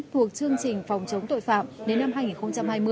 thuộc chương trình phòng chống tội phạm đến năm hai nghìn hai mươi